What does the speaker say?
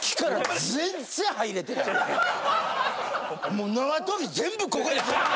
もう縄跳び全部ここでパーン！